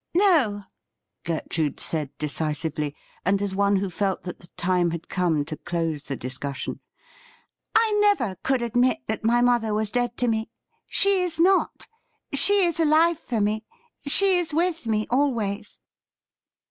' No,' Gertrude said decisively, and as one who felt that the time had come to close the discussion, ' I never could admit that my mother was dead to me. She is not ; she is alive for me ; she is with me always.'